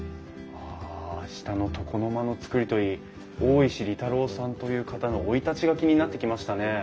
あ下の床の間の造りといい大石利太郎さんという方の生い立ちが気になってきましたね。